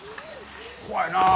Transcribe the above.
怖いなあ。